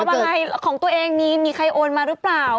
อะไรของตัวเองมีใครโอนมาหรือเปล่า